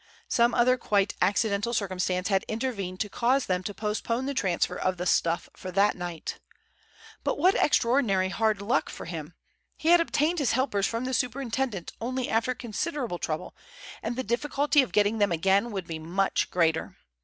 Some other quite accidental circumstance had intervened to cause them to postpone the transfer of the "stuff" for that night But what extraordinary hard luck for him! He had obtained his helpers from the superintendent only after considerable trouble, and the difficulty of getting them again would be much greater.